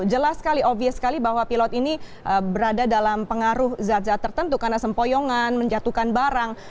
jelas sekali obvious sekali bahwa pilot ini berada dalam pengaruh zat zat tertentu karena sempoyongan menjatuhkan barang